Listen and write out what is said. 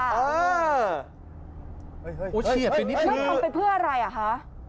เกือบทำไปเพื่ออะไรอ่ะฮะ